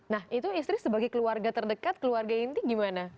nah itu istri sebagai keluarga terdekat keluarga inti gimana